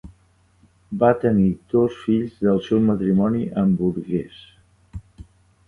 Va tenir dos fills del seu matrimoni amb Burgess.